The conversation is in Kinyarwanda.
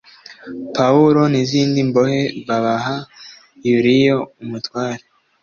Pawulo n izindi mbohe babaha Yuliyo umutware